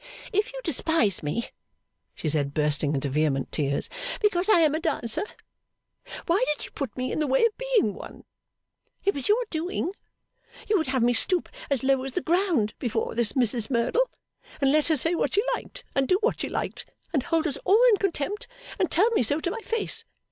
'If you despise me,' she said, bursting into vehement tears, 'because I am a dancer, why did you put me in the way of being one? It was your doing. You would have me stoop as low as the ground before this Mrs Merdle, and let her say what she liked and do what she liked, and hold us all in contempt, and tell me so to my face.